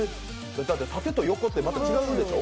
縦と横って違うんでしょう？